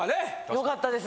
よかったです。